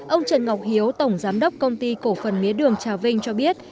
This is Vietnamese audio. ông trần ngọc hiếu tổng giám đốc công ty cổ phần mía đường trà vinh cho biết